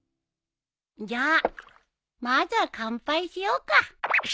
じゃあまずは乾杯しようか。